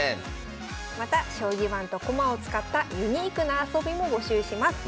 また将棋盤と駒を使ったユニークな遊びも募集します。